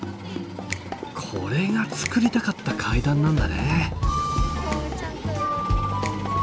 これが作りたかった階段なんだね。